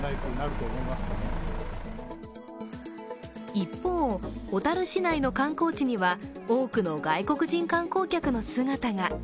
一方、小樽市内の観光地には多くの外国人観光客の姿が。